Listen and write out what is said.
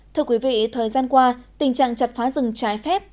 thưa quý vị thời gian qua tình trạng chặt phá rừng trái phép